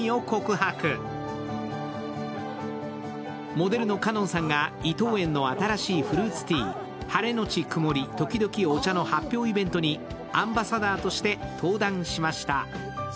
モデルの香音さんが伊藤園の新しいフルーツティー晴れのち曇り時々お茶の発表イベントにアンバサダーとして登壇しました。